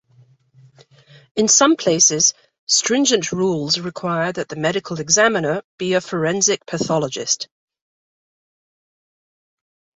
In some places, stringent rules require that the medical examiner be a forensic pathologist.